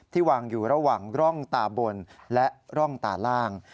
วางอยู่ระหว่างร่องตาบนและร่องตาล่าง